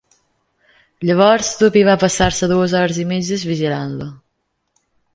Llavors Tuppy va passar-se dues hores i mitges vigilant-lo.